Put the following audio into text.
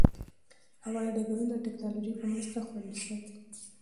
هوايي ډګرونه د ټکنالوژۍ په مرسته خوندي دي.